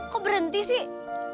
kok berhenti sih